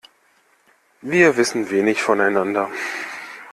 Wir wissen wenig voneinander.